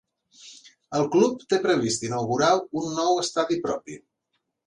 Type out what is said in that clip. El club té previst inaugurar un nou estadi propi.